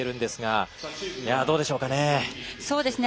どうでしょうかね。